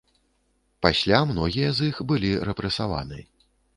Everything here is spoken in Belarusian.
Пасля многія з іх былі рэпрэсаваны.